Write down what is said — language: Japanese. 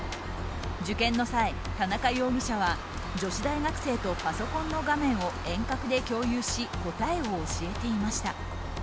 受験の際、田中容疑者は女子大学生とパソコンの画面を遠隔で共有し答えを教えていました。